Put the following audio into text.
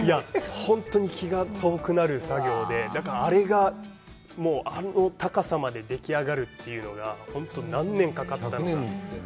本当に気が遠くなる作業で、だからあれが、あの高さまででき上がるというのが、本当何年かかったんだろう。